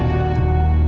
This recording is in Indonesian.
saya ikut bapak